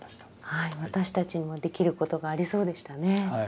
はい私たちにもできることがありそうでしたね。